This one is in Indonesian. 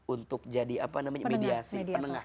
untuk jadi mediasi